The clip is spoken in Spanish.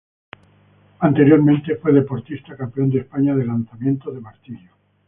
Anteriormente fue deportista, campeón de España de lanzamiento de martillo.